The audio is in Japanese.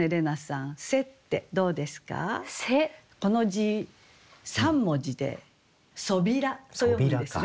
この字３文字で「そびら」と読むんですね。